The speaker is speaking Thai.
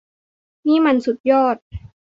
นี่มันสุดยอด !